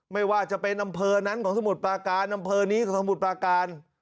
ไม่ว่าจะเป็นอำเภอนั้นของสมุทรปาการอำเภอนี้ของสมุทรปราการ